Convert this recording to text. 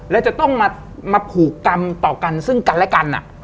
และจะต้องมาผูกกรรมต่อกันซึ่งกันและกัน